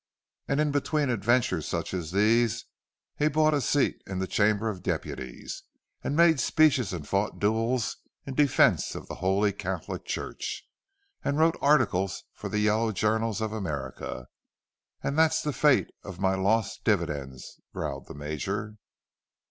And in between adventures such as these, he bought a seat in the Chamber of Deputies, and made speeches and fought duels in defence of the Holy Catholic Church—and wrote articles for the yellow journals of America. "And that's the fate of my lost dividends!" growled the Major.